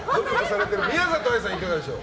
宮里藍さんはいかがでしょう？